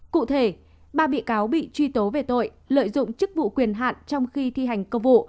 cụ thể ba bị cáo bị truy tố về tội lợi dụng chức vụ quyền hạn trong khi thi hành công vụ